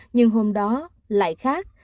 nhưng hôm đó lại khác